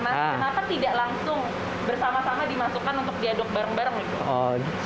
kenapa tidak langsung bersama sama dimasukkan untuk diaduk bareng bareng gitu